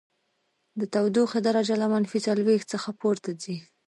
د تودوخې درجه له منفي څلوېښت څخه پورته ځي